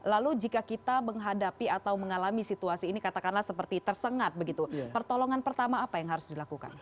lalu jika kita menghadapi atau mengalami situasi ini katakanlah seperti tersengat begitu pertolongan pertama apa yang harus dilakukan